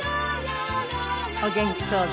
お元気そうで。